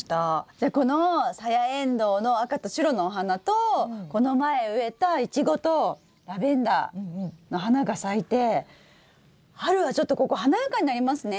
じゃこのサヤエンドウの赤と白のお花とこの前植えたイチゴとラベンダーの花が咲いて春はちょっとここ華やかになりますね！